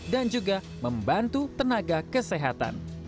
dan juga membantu tenaga kesehatan